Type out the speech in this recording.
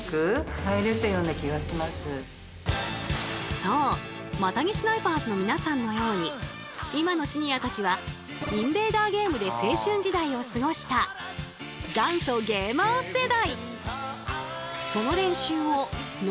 そうマタギスナイパーズの皆さんのように今のシニアたちはインベーダーゲームで青春時代を過ごしたこれだな。